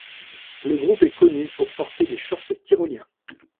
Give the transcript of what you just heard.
Le groupe est connu pour porter des shorts tyroliens.